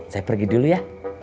saya pergi dulu ya